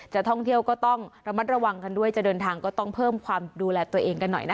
ท่องเที่ยวก็ต้องระมัดระวังกันด้วยจะเดินทางก็ต้องเพิ่มความดูแลตัวเองกันหน่อยนะคะ